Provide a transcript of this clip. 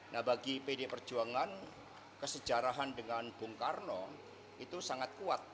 nah bagi pd perjuangan kesejarahan dengan bung karno itu sangat kuat